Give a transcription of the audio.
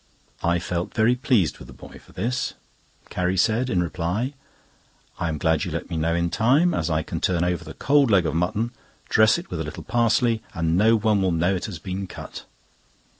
I felt very pleased with the boy for this. Carrie said, in reply: "I am glad you let me know in time, as I can turn over the cold leg of mutton, dress it with a little parsley, and no one will know it has been cut."